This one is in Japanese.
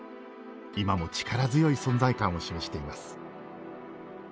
今も力強い存在感を示しています。